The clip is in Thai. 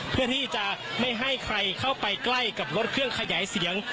เพื่อที่จะไม่ให้ใครเข้าไปใกล้กับรถเครื่องขยายเสียง